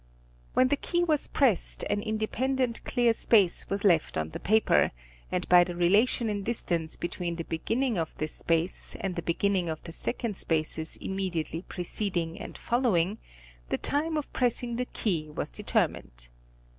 When the key was pressed an independent clear space was left on the paper, and by the relation in distance between the beginning of this space and the beginning of the second spaces immediately preced ing and following, the time of pressing the key was determined.